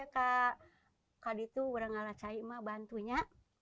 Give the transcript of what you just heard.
kak ditu bukan ada masalah mak bantu ya